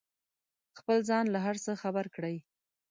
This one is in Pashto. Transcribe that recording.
خپل ځان له هر څه خبر کړئ.